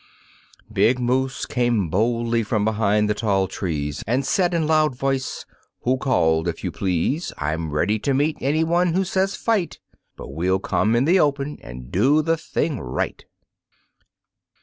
Big moose came boldly from behind the tall trees, And said in loud voice: "Who called, if you please? I'm ready to meet any one who says 'Fight,' But we'll come in the open and do the thing right."